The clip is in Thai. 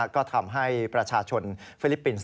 ก็ทำให้ประชาชนฟิลิปปินส์